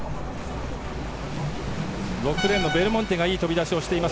６レーンのベルモンテがいい飛び出しをしています。